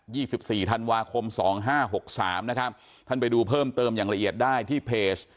สิบสี่ธันวาคมสองห้าหกสามนะครับท่านไปดูเพิ่มเติมอย่างละเอียดได้ที่เพจ